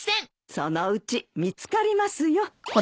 そのうち見つかりますよ。